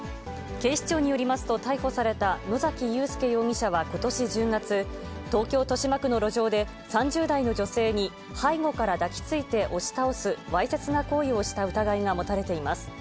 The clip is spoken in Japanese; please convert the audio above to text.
警視庁によりますと、逮捕された野崎夕介容疑者はことし１０月、東京・豊島区の路上で、３０代の女性に背後から抱きついて押し倒すわいせつな行為をした疑いが持たれています。